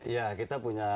ya kita punya